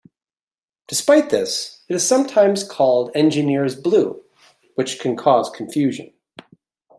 Despite this, it is sometimes called engineer's blue, which can cause confusion.